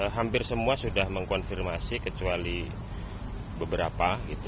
hampir semua sudah mengkonfirmasi kecuali beberapa